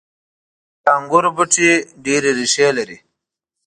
• د انګورو بوټي ډیرې ریښې لري.